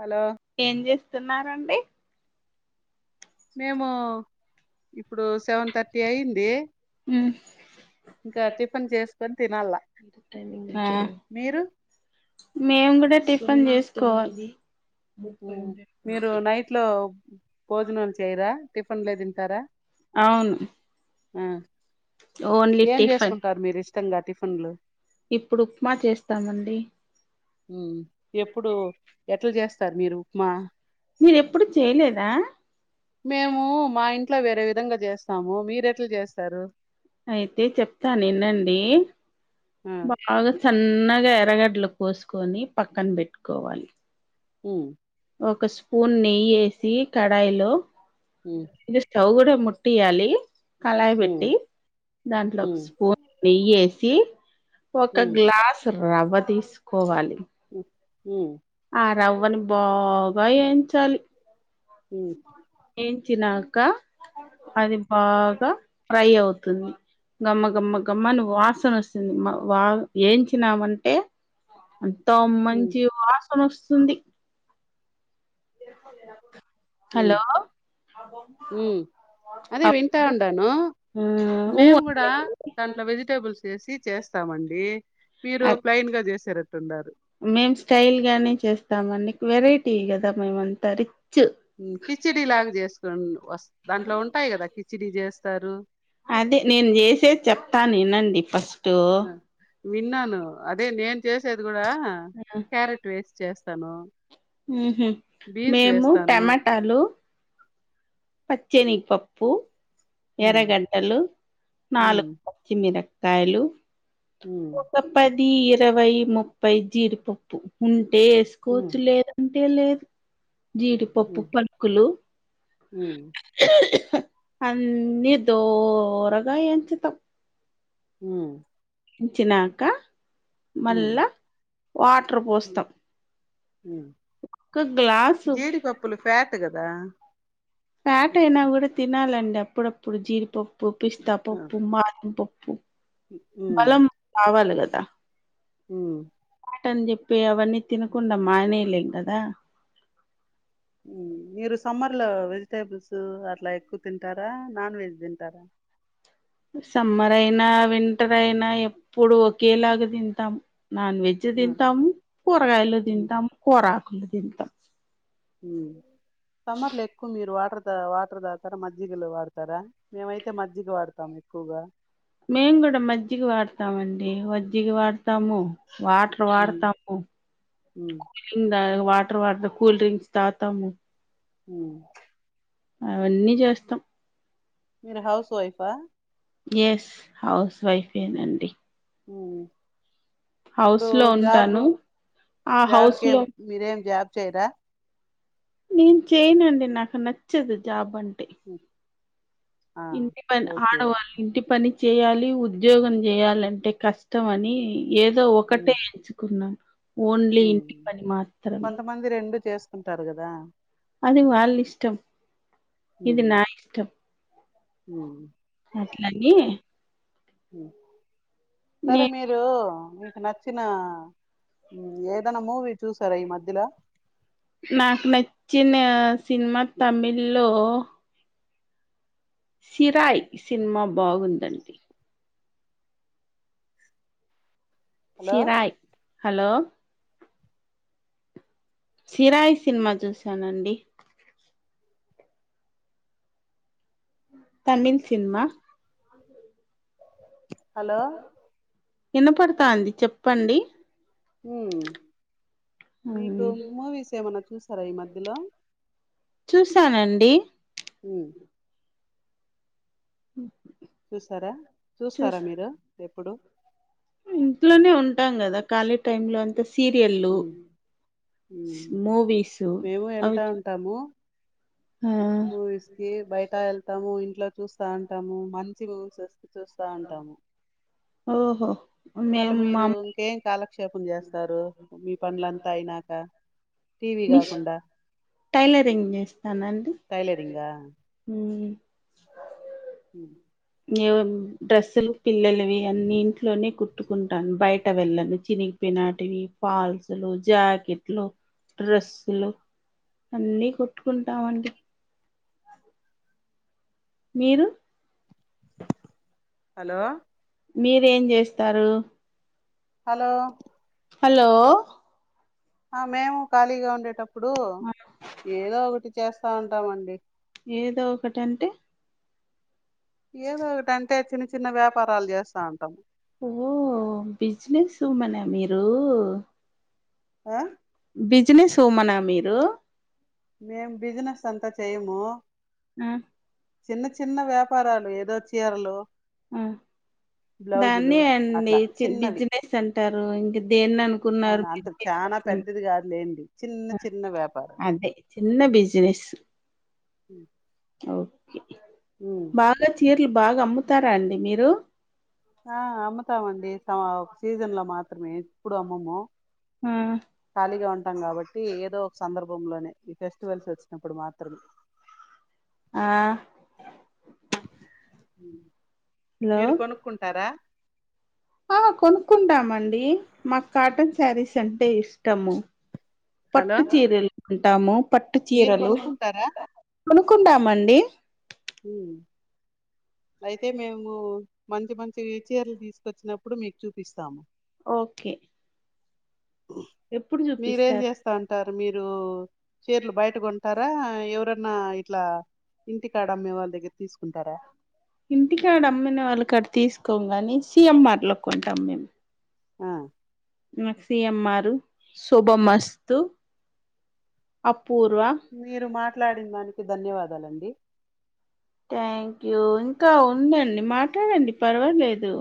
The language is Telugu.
హలో ఏం చేస్తున్నారండి మేము ఇప్పుడు సెవెన్ థర్టీ అయింది ఇంకా తి కని చేసుకొని తినాల్ల టైమింగ్ ఆ మేము కూడా టిఫన్ చేసుకోవాలి మీరు నైట్ లో భోజనాలు చేయరా టిఫిన్లే తింటారా అవును ఆ ఓన్లీ టీఫన్ టిఫన్లు ఇప్పుడు ఉప్మా చేస్తామండి ఉమ్ ఎప్పుడు ఎట్ల చేస్తారు మీరు ఉప్మా మీరు ఎప్పుడు చేయలేదా మేము మా ఇంటి అట్లా వేరే విధంగా చేస్తాము మీరు ఎట్ల చేస్తారు అయితే చెప్తాను ఇన్నండి ఆ బాగా చన్నగా ఎరగడ్లు కోసుకొని పక్కన పెట్టుకోవాలి ఉమ్ ఒక స్పూన్ నెయ్యి వేసి కడాయిలో ఉమ్ ఇగ స్టౌవ్ కూడా ముటి వేయాలి కళాయి ఉమ్ పెట్టి దాంట్లో ఒక ఉమ్ స్పూన్ నెయ్యేసి స ఒక ఉమ్ గ్లాస్ రవ్వ తీసుకోవాలి హ్మ్ ఆ రవ్వని బాగా వేయించాలి ఏ ఏంచినాక అది బాగా ఫ్రై అవుతుంది కన్న గమ్మ గమ్మ గమ్మ ను వాస వస్తుంది వా ఏంంచినామంటే త ఉమ్ మంచియు అమోస్తుంది ఉ హలో ఊ అదే వింటా ఉంండను ఊ మేము కూడా దాంట్లో వెజిటేబుల్స్ వేసి చేస్తామండి మీరు ప్లెయిన్ గా చేసారు ఉండారు మేం స్టైల్ గానే చేస్తామండి వెరైటీ కదా మేమంతా రి ఉ మ్ కిచడి లాగా చేసుకుం వస్ దాంట్లో ఉంటాయి కదా కిచిడి చే స్తారు అదే నేను చేసేది చెప్తాను వినండి పస్ ఆ విన్నాను అదే నేను చేసేది కూడా క్యారెట్ వేసి చేస్ తను ఉహు మేము టమాటాలు పచ్చనిగ పప్పు ఉమ్, ఎర్రగడ్డ లు నాలుగు పచ్చిమిర కాయలు హమ్ ది ఇరవై ముప్పై జీడిపప్పు ఉం టే ఉమ్, వేసుకోవచ్చు లేదంటే ఏలేదు జీడిపప్పు ఉమ్, పలుకులు ఉమ్ అన్ని దోరగా ఎంచుతాం హ ఎంచినాకా ఉమ్, మళ్ళా వాటర్ పోస్తాం ఒక గ్లాసు జీడిపప్పులు ఫ్యాట్ అ కదా ఫ్యాట అయినా కూడా తినాలండి అప్పుడప్పుడు జీరిపో పప్పుపిిస్త ఆ, పప్పు మా ఓ బలం కావాలగాదు కుత్త ఉ అట్టని చెప్పి అవన్నీ తినకుండా మానేలేం కదా మీరు సమ్మత్ అలో వెజిటేబుల్స్ అట్లా ఎక్కువ తింటారా నాన్ వెజ్ తింటారా సమ్మర్ అయినా వింటర్ అయినా ఎప్పుడు ఒకేలాగా తింటాము. నాన్ వెజ్ తింటాము కూరగాయలు తింటాము కూర అంత తింటా ఊ సమ్మర్లు ఎక్కువ మీరు వాటర్ వాటర్ తాగుతారా మజ్జిగలు వాడతారా మేమైతే మజ్జిగ వాడతాం ఎక్కువగా మేము కూడా మజ్జిగ వాడతామండి మజ్జిగ వాడతాము వాటర్ ఉమ్, వాడతాము ఉమ్, cooling water water cool drinks తాగుతాము ఉ అవన్నీ చేస్తాం మీరు హౌస్ వైఫా యస్ హౌస్ వైఫేనండి ఊ ఇప్పుడు హౌస్ లో జాబ్ ఉంటాను ఆ హౌస్ జాబ్కేం లో మీరేం జాబ్ చేయరా నేను చేయనండి నాకు నచ్చదు జాబ్ అంట అ ఇంటి పని ఆడవాళ్ళు ఇంటి పని చేయాలి ఉద్యోగం చేయాలంటే కష్టం అని ఏదో ఉమ్, ఒకటే ఎంచుకున్నాను ఓన్లీ ఉమ్. ఇంటి పని మాత్రమే కుంటారు కదా అది వాళ్ళ ఇష్టం ఇది ఉమ్, నా ఇష్టం ఉమ్, అట్లని ఉ సరే నే మీరు నచ్చిన ఏదన్నా మూవీ చూసారా ఈ మధ్యలో నాకు నచ్చిన సినిమా తమిళ్ లో సిరాయ్ సినిమా బాగుందండి. Hello Sirai hello Sirai cinema చూసానండి. తమిళ్ సినిమా హలో విన పడతా అంది చెప్పండి. మీకు మూవీస్ ఏమన్నా చూస్తారా, ఈ మధ్యలో. చూసానండి హ హ చూస్తారా, చూస్తారా మీరు ఎప్పుడు ఇంట్లోనే ఉంటాం కదా. ఖాళీ టైమ్ లో అంతే సీరియల్ ఉమ్ ఉమ్ మూవీసు మేము అవి వెళ్తా ఉంటాము ఆ మూవీస్ కి బయట వెళ్తాము ఇంట్లో. చూస్తా ఉంటాము మంచిస్ చూస్తా ఉంటాము. ఓహో మళ్ళీ మేము మా మీరు ఇంకేం కాల నిక్షేపం చేస్తారు. మీ పనులంతా అయినాక టీవీ మిష్ కాకుండా టైలరింగ్ చేస్తానండి టైలరింగ హ ఏ డ్రెస్సులు పిల్లలువి అన్ని ఇంట్లోనే కుట్ కొట్టుకుంటాను. బయట వెళ్ళను చిగి పినాటివి ఫాల్సులు, జాకెట్లు, డ్రస్సులు అన్నీ కొట్టుకుంటాండి. మీరు హలో మీరేం చేస్తారు? హలో హలో ఆ మేము ఖాళీగా ఉండేటప్పుడు ఏదో ఒకటి చేస్తా ఉంటామండి. ఏదో ఒకటంటే ఏదో ఒకటింటే చిన్న చిన్న వ్యాపారాలు చేస్తా ఉంటాము. ఉమెన్ నా మీరు ఆ బిజినెస్ ఉమనా మీరు మేం బిజినెస్ అంతా చేయము. చిన్న చిన్న వ్యాపారాలు ఏదో చీరలు ఉ బ్లౌజులు దాన్నే అండి అట్లా చిన్నవి బిజినెస్ అంటారు ఇంకా దేన్ని అనుకున్నారు అవునా అంత చానా పెద్దది కాదులేండి చిన్న చిన్న వ్యాపారం అదే చిన్న బిజినెస్ ఆ అవు బాగ చీర తి బాగా అమ్ముతారా అండి మీరు ఆ అమ్ముతామండి ఒక సీజన్ లో మాత్రమే ఎప్పుడు అమ్మము, ఆ ఖాళీగా ఉంటాం కాబట్టి ఏదో ఒక సందర్భం బొంగులోనే ఈ ఫెస్టివల్స్ వచ్చినప్పుడు మా త్రం ఆ ఉ హలో మీరు కొనుక్కుంటారా ఆ కొనుక్కుంటామండీ మాకు కాటన్ శారీస్ అంటే ఇష్టము హలో పట్టు చీరలు ఉంటాము పట్టు మీరు చీరలు కొనుక్కుంటారా కొనుక్కుంటామండి ఊ అయితే మేము మంచి మంచి చీరలు తీసుకొచ్చినప్పుడు మీకు చూపిస్తాము ఓకే ఎప్పుడు మీరేం చూపిస్తారు చేస్తా అంటారు మీరు యో చీరలు బయటకుంటారా ఎవరన్నా ఇట్లా ఇంటి కాడా మివాళ్ళ వాళ్ళ దగ్గర తీసుకుంటారా ఇంటికాడ అమ్మిన వాళ్ళ కాడ తీసుకో గాని సీఎమ్మ లొ కొంటాం మేం ఆ నా సి ఎం ఆర్ శుభమస్తు అపూర్వ మీరు మాట్లాడిన దానికి ధన్యవాదాలు వాదాలండి థ్యాంక్ యూ ఇంకా ఉందండి మాట్లాడండి పర్వాలేదు